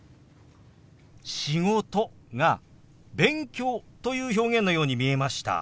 「仕事」が「勉強」という表現のように見えました。